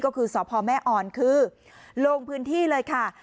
ก็คือสพแม่อ่อนคือลงพื้นที่เลยค่ะ